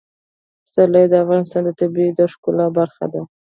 پسرلی د افغانستان د طبیعت د ښکلا برخه ده.